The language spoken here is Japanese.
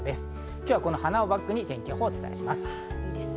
今日は花をバックに天気予報をお伝えします。